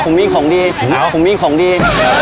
ผมมีของดี